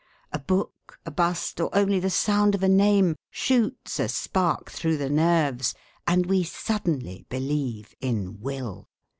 A book, a bust, or only the sound of a name shoots a spark through the nerves, and we suddenly believe in will.